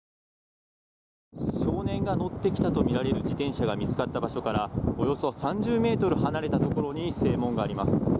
少年が乗ってきたとみられる自転車が見つかった場所からおよそ３０ｍ離れたところに正門があります。